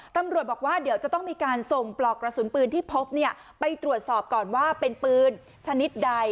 ตำรวจบอกว่าเดี๋ยวจะต้องมีการส่งปลอกกระสุนปืนที่พบไปตรวจสอบก่อนว่าเป็นปืนชนิดใด